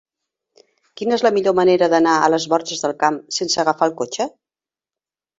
Quina és la millor manera d'anar a les Borges del Camp sense agafar el cotxe?